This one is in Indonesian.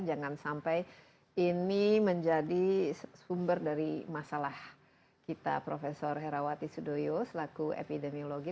jangan sampai ini menjadi sumber dari masalah kita profesor herawati sudoyo selaku epidemiologi